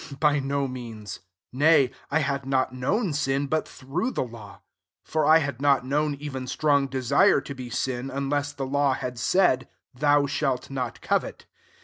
By no means: nay, I had not known sin, but through the law : for I had not known even strong desire to be sin^ un less the law had said, •* Thou shalt not covet."